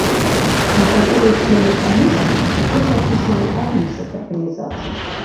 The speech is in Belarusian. Некаторыя члены камісіі цяпер запісаныя ад іншых арганізацый.